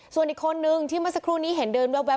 ส่วนอีกคนนึงที่เมื่อสักครู่นี้เห็นเดินแว๊บ